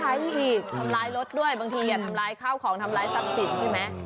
อีกทำร้ายรถด้วยบางทีอย่าทำร้ายข้าวของทำร้ายทรัพย์สินใช่ไหม